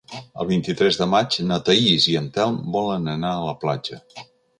El vint-i-tres de maig na Thaís i en Telm volen anar a la platja.